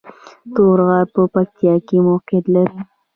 تور غر په پکتیا کې موقعیت لري